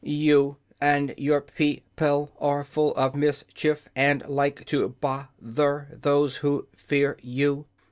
"You and your peo ple are full of mis chief, and like to both er those who fear you.